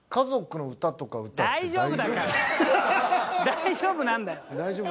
大丈夫なんだよ。